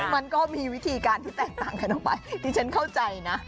มันก็มีวิธีการที่แตกต่างกันออกไปดิฉันเข้าใจนะ